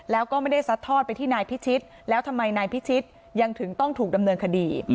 แล้วก็ไม่ได้ซัดทอดไปที่นายพิชิตแล้วทำไมนายพิชิตยังถึงต้องถูกดำเนินคดี